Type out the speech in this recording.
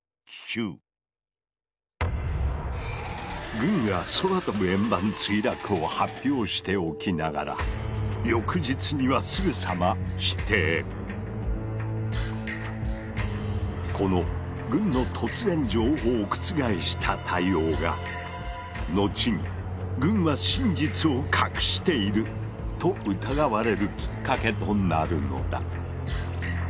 軍が「空飛ぶ円盤墜落」を発表しておきながらこの軍の突然情報を覆した対応が後に「軍は真実を隠している」と疑われるきっかけとなるのだ。